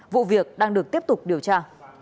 vụ việc đang được tiếp tục điều tra